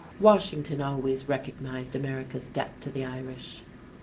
Washington always recognized America's debt to the Irish.